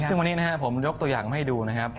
ซึ่งวันนี้ผมยกตัวอย่างให้ดูนะครับ